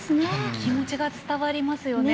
気持ちが伝わりますよね。